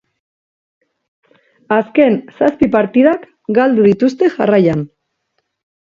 Azken zazpi partidak galdu dituzte jarraian.